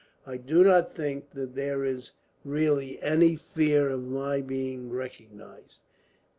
I do not think that there is really any fear of my being recognized.